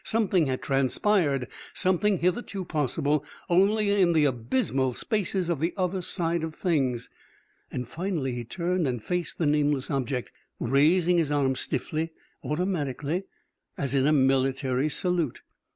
Something had transpired, something hitherto possible only in the abysmal spaces of the Other Side of Things. Finally he turned and faced the nameless object, raising his arm stiffly, automatically, as in a military salute.